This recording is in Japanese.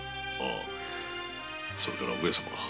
それから上様